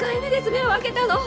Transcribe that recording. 目を開けたの！